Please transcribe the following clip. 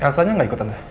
ehm elsanya gak ikut tante